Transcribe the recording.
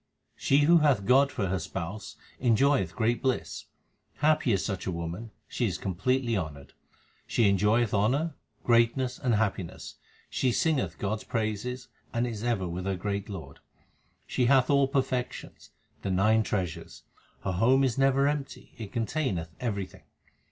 She who hath God for her Spouse enjoyeth great bliss. Happy is such a woman, she is completely honoured : 322 THE SIKH RELIGION She enjoyeth honour, greatness, and happiness, she singeth God s praises, and is ever with her great Lord. 1 She hath all perfections, the nine treasures ; her home is never empty, it containeth everything.